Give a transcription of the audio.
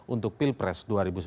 untuk pilpres dua ribu sembilan belas